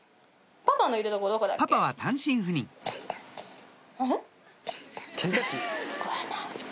パパは単身赴任ん？